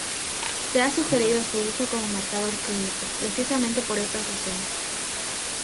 Se ha sugerido su uso como marcador clínico precisamente por estas razones.